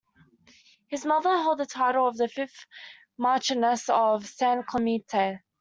His mother held the title of the fifth marchioness of San Clemente.